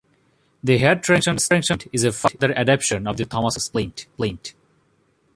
The Hare traction splint is a further adaptation of the Thomas splint.